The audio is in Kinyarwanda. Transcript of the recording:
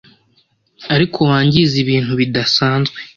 ariko wangize ibintu bidasanzwe